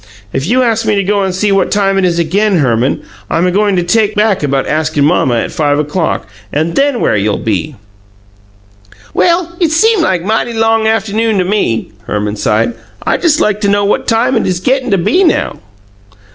If you ask me to go and see what time it is again, Herman, I'm a goin' to take back about askin' mamma at five o'clock, and THEN where'll you be?" "Well, it seem like mighty long aft'noon to me," Herman sighed. "I jes' like to know what time it is gettin' to be now!"